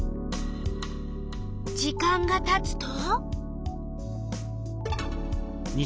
時間がたつと？